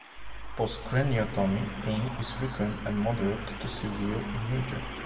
Postcraniotomy pain is frequent and moderate to severe in nature.